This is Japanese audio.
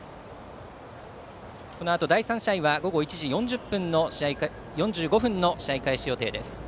このあと第３試合は午後１時４５分の試合開始予定です。